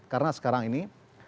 karena sekarang ini